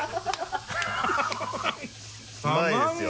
うまいですよね。